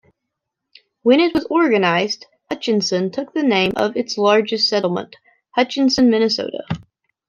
When it was organized, Hutchinson took the name of its largest settlement: Hutchinson, Minnesota.